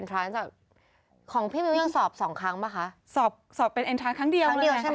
ต่อเห็นพี่มินพูดว่าเป็นอันแรกเลย